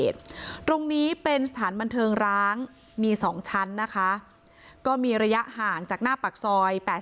ตรงนี้เป็นสถานบันเทิงร้างมี๒ชั้นนะคะก็มีระยะห่างจากหน้าปากซอย๘๐